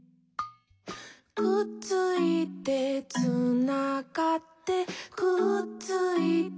「くっついて」「つながって」「くっついて」